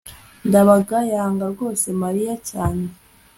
ndabaga yanga rwose mariya cyane